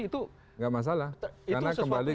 itu enggak masalah karena kembali